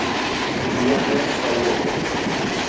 Wiya pek kawuono